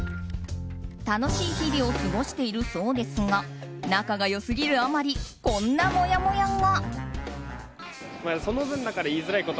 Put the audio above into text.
楽しい日々を過ごしているそうですが仲が良すぎるあまりこんなもやもやが。